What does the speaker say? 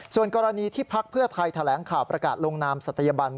ส่วนกรณีที่พักเพื่อไทยแถลงข่าวประกาศลงนามศัตยบัน